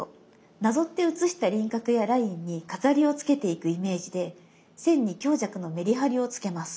なぞって写した輪郭やラインに飾りをつけていくイメージで線に強弱のメリハリをつけます。